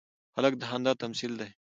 هلک د خندا تمثیل دی.